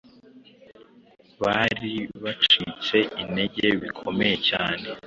Bari bacitse intege bikomeye cyane.